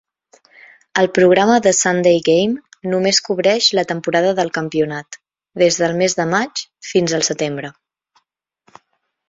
El programa 'The Sunday Game' només cobreix la temporada del campionat, des del mes de maig fins al setembre.